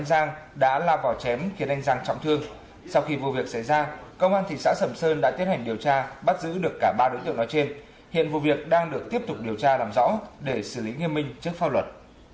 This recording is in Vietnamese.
giang đã lao vào chém khiến anh giang trọng thương sau khi vụ việc xảy ra công an thị xã sầm sơn đã tiến hành điều tra bắt giữ được cả ba đối tượng nói trên hiện vụ việc đang được tiếp tục điều tra làm rõ để xử lý nghiêm minh trước pháp luật